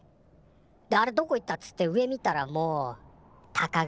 であれどこ行ったっつって上見たらもうタカが。